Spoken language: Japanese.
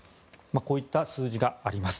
こういった数字があります。